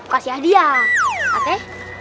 kasih hadiah oke